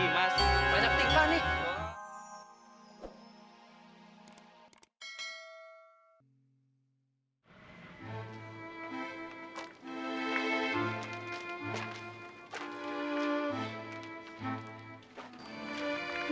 banyak tipe nih